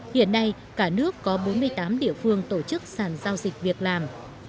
hiện nay cả nước có bốn mươi tám địa phương tổ chức sàn giao dịch việc làm